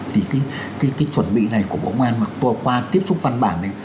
thì cái chuẩn bị này của bộ công an mà qua tiếp xúc văn bản này